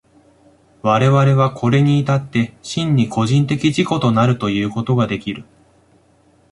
我々はこれに至って真に個人的自己となるということができる。